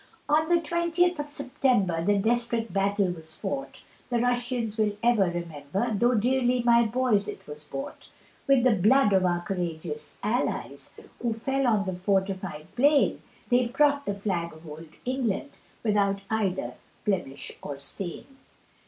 On the twentieth of September, The desperate battle was fought, The Russians will ever remember, Tho' dearly my boys it was bought With the blood of our courageous allies, Who fell on the fortified plain, They brought the flag of old England, Without either blemish or stain.